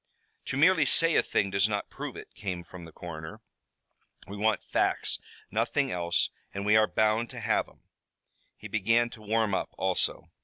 "To merely say a thing does not prove it," came from the coroner. "We want facts, nothing else and we are bound to have 'em." He began to warm up also.